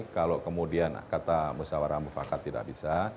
kalau kemudian kata musyawarah mufakat tidak bisa